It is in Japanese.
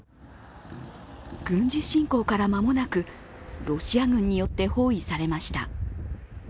軍事侵攻から間もなくロシア軍によって包囲されました。